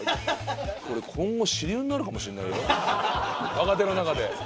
若手の中で。